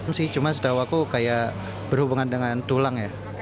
sih cuma setahu aku kayak berhubungan dengan tulang ya